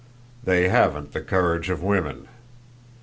"They haven't the courage of women."